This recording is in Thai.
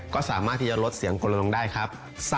ก็สามารถที่จะลดเสียงกลลงได้ครับ